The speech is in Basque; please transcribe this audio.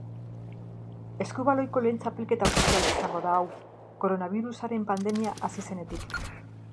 Eskubaloiko lehen txapelketa ofiziala izango da hau, koronabirusaren pandemia hasi zenetik.